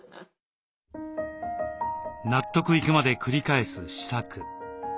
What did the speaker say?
納得いくまで繰り返す試作。